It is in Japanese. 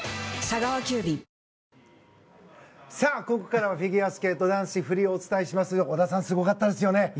ここからはフィギュアスケート男子フリーをお伝えしますが織田さん、すごかったですよね。